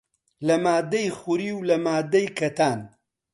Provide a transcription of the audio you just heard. لە ماددەی خوری و لە ماددەی کەتان